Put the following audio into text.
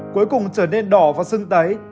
cuối cùng trở nên đỏ và sưng tấy